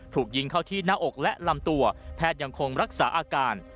ถูกยิงเข้าที่หน้าอกและลำตัวแพทย์ยังคงรักษาอาการ